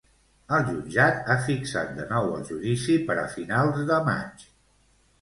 El jutjat ha fixat de nou el judici per a finals de maig.